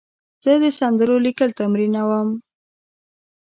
زه د سندرو لیکل تمرینوم.